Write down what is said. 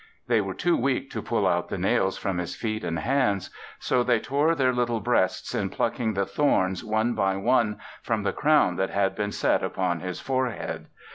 They were too weak to pull out the nails from his feet and hands; so they tore their little breasts in plucking the thorns one by one from the crown that had been set upon his forehead.